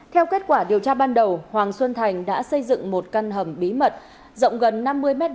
theo kết quả điều tra ban đầu hoàng xuân thành đã xây dựng một căn hầm bí mật rộng gần năm mươi m hai